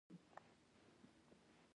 د لارويانو د غرور په سمبول بدله شي.